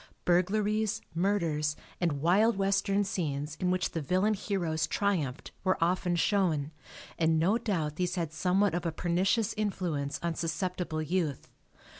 Burglaries, murders and wild western scenes in which the villain heroes triumphed were often shown and no doubt these had somewhat of a pernicious influence on susceptible youth.